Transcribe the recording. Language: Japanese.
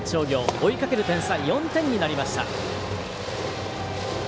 追いかける点差４点になりました。